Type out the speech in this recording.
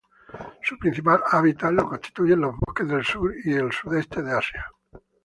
Su principal hábitat lo constituyen los bosques del sur y el sudeste de Asia.